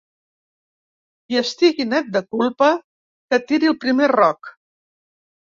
Qui estigui net de culpa, que tiri el primer roc.